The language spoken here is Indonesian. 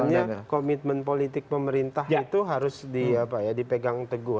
karena komitmen politik pemerintah itu harus dipegang teguh